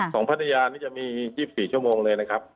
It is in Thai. พัทยานี่จะมี๒๔ชั่วโมงเลยนะครับ